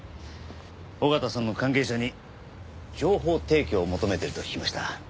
緒方さんの関係者に情報提供を求めていると聞きました。